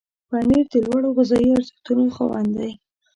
پنېر د لوړو غذایي ارزښتونو خاوند دی.